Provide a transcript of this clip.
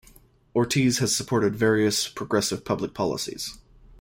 Ortiz has supported various progressive public policies.